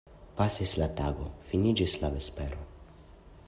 Pasis la tago, finiĝis la vespero.